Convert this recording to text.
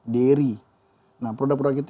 dairy nah produk produk itu